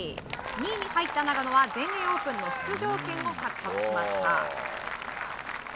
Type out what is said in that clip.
２位に入った永野は全英オープンの出場権を獲得しました。